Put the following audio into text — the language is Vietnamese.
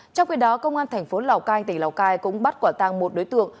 trong khi đó công an thành phố lào cai tỉnh lào cai cũng bắt quả tăng một đối tượng